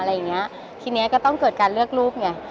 อะไรอย่างนี้ทีนี้ก็ต้องเกิดการเลือกรูป